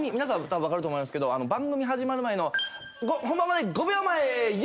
たぶん分かると思いますけど番組始まる前の「本番まで５秒前。